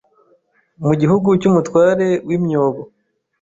mu gihugu cy’umutarwe n’imyobo